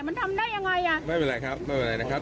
มันทำได้ยังไงอ่ะไม่เป็นไรครับไม่เป็นไรนะครับ